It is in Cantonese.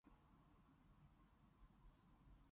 自求多福